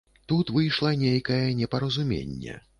Тут выйшла нейкае непаразуменне.